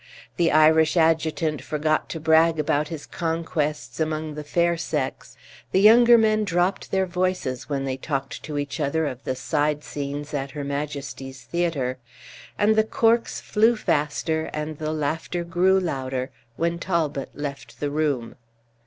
The Irish adjutant forgot to brag about his conquests among the fair sex; the younger men dropped their voices when they talked to each other of the side scenes at Her Majesty's Theatre; and the corks flew faster, and the laughter grew louder, when Talbot left the room.